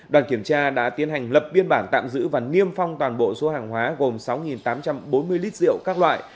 đoàn kiểm tra đã tiến hành lập biên bản tạm giữ và niêm phong toàn bộ số hàng hóa gồm sáu tám trăm bốn mươi lít rượu các loại